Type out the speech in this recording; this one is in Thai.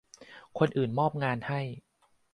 คนอื่นมอบงานให้